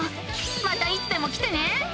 またいつでも来てね。